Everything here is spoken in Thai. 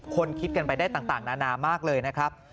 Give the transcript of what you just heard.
คิดกันไปได้ต่างนานามากเลยนะครับ